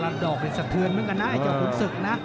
โตะเด็กสะเทือนเหมือนกันนะขุนสึกนะ